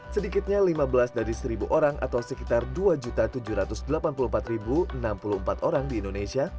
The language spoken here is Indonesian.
sedikitnya lima belas dari seribu orang atau sekitar dua tujuh ratus delapan puluh empat enam puluh empat orang di indonesia